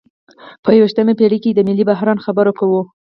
په یویشتمه پیړۍ کې د ملي بحران خبره کوو.